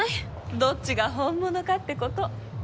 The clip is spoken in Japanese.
どっちが本物かってこと。